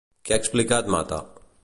Què ha explicat Mata?